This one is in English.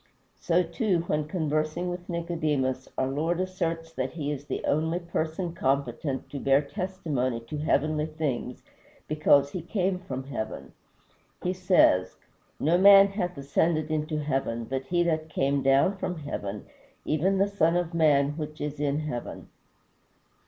So, too, when conversing with Nicodemus, our Lord asserts that he is the only person competent to bear testimony to heavenly things, because he came from heaven. He says, "No man hath ascended into heaven but he that came down from heaven, even the Son of man which is in heaven."